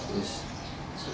tapi scent nya nya enak sekali